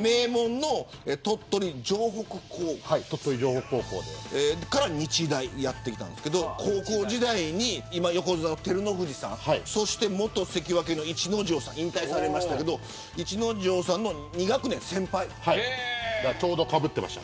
名門の鳥取城北高校から日大にやって来たんですけど高校時代に今、横綱の照ノ富士さんそして元関脇の逸ノ城さん引退されましたけどちょうどかぶってました。